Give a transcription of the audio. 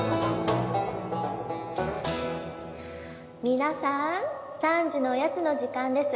皆さん３時のおやつの時間です。